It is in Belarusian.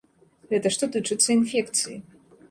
Гэта што тычыцца інфекцыі.